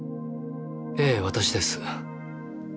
ええ私です。